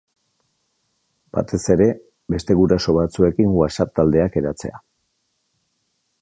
Batez ere, beste guraso batzuekin whatsapp taldeak eratzea.